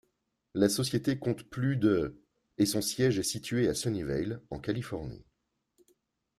La société compte plus de et son siège est situé à Sunnyvale en Californie.